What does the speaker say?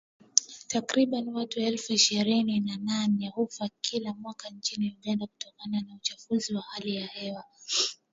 Takriban watu elfu ishirini na nane hufa kila mwaka nchini Uganda kutokana na uchafuzi wa hali ya hewa